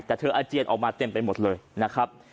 แต่เธออาเจียนออกมาเต็มไปหมดเลยนะครับ